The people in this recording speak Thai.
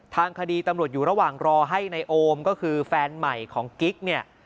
ทางคดีตำรวจอยู่ระหว่างรอให้ในโอมก็คือแฟนใหม่ของกิ๊กเนี่ย